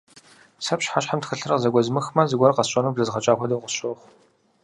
Сэ пщыхьэщхьэм тхылъыр къызэгуэзмыхмэ, зыгуэр къэсщӀэну блэзгъэкӀа хуэдэу къысщохъу.